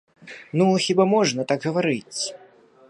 Ну хіба можна так гаварыць?!